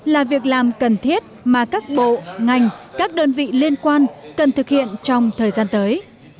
là việc làm cần thiết mà các bộ ngành các đơn vị liên quan cần thực hiện trong thời gian tới